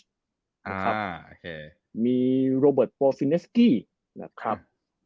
โอเคมีโรเบิร์ตโปซิเนสกี้นะครับ